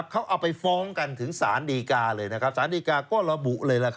เขาเอาไปฟ้องกันถึงสารดีกาเลยนะครับสารดีกาก็ระบุเลย